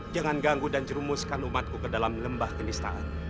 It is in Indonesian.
jangan ganggu dan jerumuskan umatku ke dalam lembah kenistaan